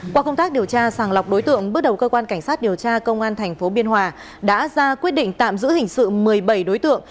qua công tác điều tra sàng lọc đối tượng bước đầu cơ quan cảnh sát điều tra công an tp biên hòa đã ra quyết định tạm giữ hình sự một mươi bảy đối tượng